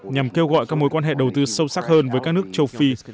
nhằm kêu gọi các mối quan hệ đầu tư sâu sắc hơn với các nước châu phi